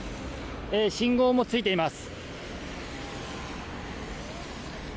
信号もついています。